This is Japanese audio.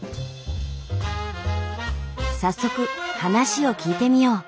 早速話を聞いてみよう。